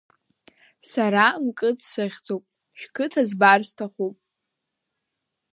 Сара Мкыд сыхьӡуп, шәқыҭа збар сҭахуп!